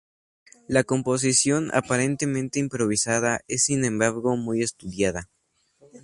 La composición, aparentemente improvisada, es sin embargo muy estudiada.